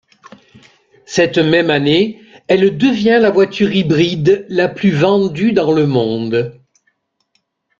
Cette même année, elle devient la voiture hybride la plus vendue dans le monde.